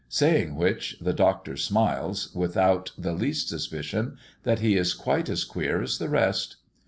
Saying which, the Doctor smiles, without the least suspicion that he is quite as queer as the rest.